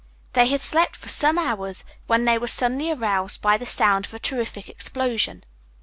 They had slept for some hours when they were suddenly aroused by the sound of a terrific explosion.